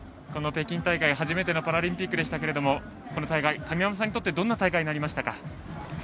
北京大会、初めてのパラリンピックでしたけどこの大会、神山さんにとってどんな大会になりましたか。